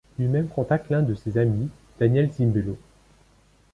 Lui-même contacte l'un de ses amis, Daniel Zimbello.